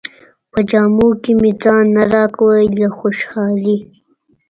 په جامو کې مې ځای نه راکاوه له خوشالۍ.